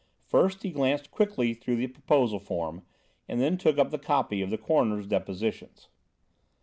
First he glanced quickly through the proposal form, and then took up the copy of the coroner's depositions.